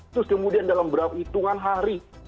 terus kemudian dalam berapa hitungan hari